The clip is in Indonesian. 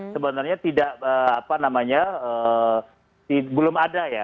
sebenarnya tidak apa namanya belum ada ya